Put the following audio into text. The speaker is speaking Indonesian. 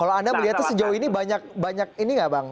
kalau anda melihatnya sejauh ini banyak ini nggak bang